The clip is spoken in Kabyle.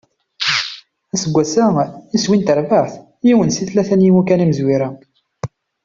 Aseggas-a, iswi n terbaεt: yiwen si tlata n yimukan imezwura.